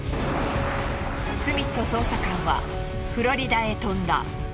スミット捜査官はフロリダへ飛んだ。